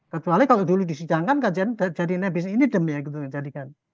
kecuali kalau dulu disidangkan kan jadi nebis ini dem ya gitu yang dijadikan